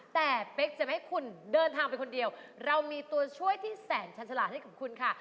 แต่เป๊กจะไม่ให้คุณเดินทางไปคนเดียวเรามีตัวช่วยที่แสนชันฉลาดให้กับคุณค่ะ